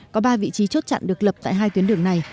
có ba vị trí chốt chặn được lập tại hai tuyến đường này